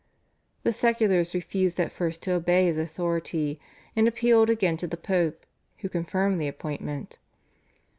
The seculars refused at first to obey his authority and appealed again to the Pope, who confirmed the appointment.